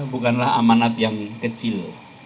bukanlah amanat yang kecil